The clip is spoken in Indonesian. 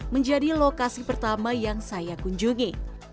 menjadi lokasi pertama yang saya kunjungi